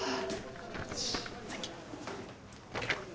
サンキュー。